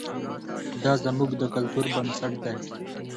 دا زموږ د کلتور بنسټ دی.